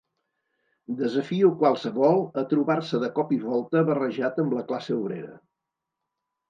Desafio qualsevol a trobar-se de cop i volta barrejat amb la classe obrera